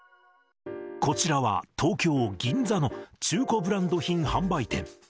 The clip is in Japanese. こちらは東京・銀座の中古ブランド品販売店。